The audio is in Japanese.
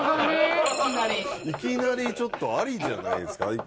いきなりちょっとありじゃないですか？